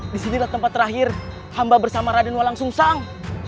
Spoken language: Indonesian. disinilah tempat terakhir hamba bersama raden walang sungsang